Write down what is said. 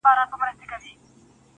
وه ه سم شاعر دي اموخته کړم,